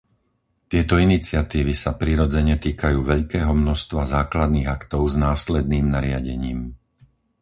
Tieto iniciatívy sa prirodzene týkajú veľkého množstva základných aktov s následným nariadením.